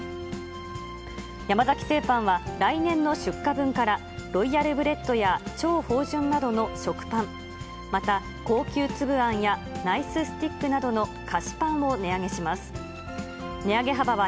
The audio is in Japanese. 山崎製パンは、来年の出荷分から、ロイヤルブレッドや超芳醇などの食パン、また高級つぶあんや、ナイススティックなどの菓子パンを値上げします。